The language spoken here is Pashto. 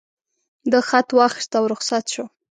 ده خط واخیست او رخصت شو.